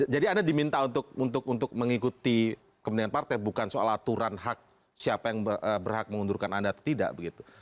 jadi anda diminta untuk mengikuti kepentingan partai bukan soal aturan hak siapa yang berhak mengundurkan anda atau tidak begitu